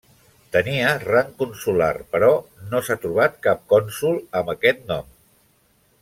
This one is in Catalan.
Tenia rang consular però no s'ha trobat cap cònsol amb aquest nom.